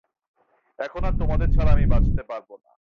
এখন আর তোমাদের ছাড়া আমি বাঁচতে পারব না।